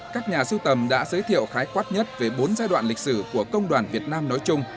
các nhà sưu tầm đã giới thiệu khái quát nhất về bốn giai đoạn lịch sử của công đoàn việt nam nói chung